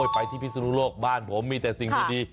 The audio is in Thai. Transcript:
ไปที่พิศนุโลกบ้านผมมีแต่สิ่งดี